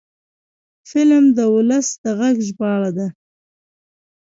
فلم د ولس د غږ ژباړه ده